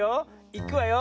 いくわよ。